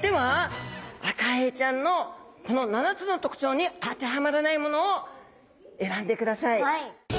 ではアカエイちゃんのこの７つの特徴に当てはまらないものを選んでください。